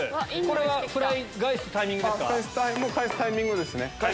これはフライ返すタイミングですか？